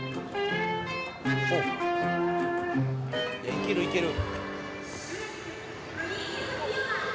いけるいける。